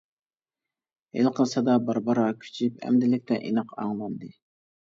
ھېلىقى سادا بارا-بارا كۈچىيىپ، ئەمدىلىكتە ئېنىق ئاڭلاندى.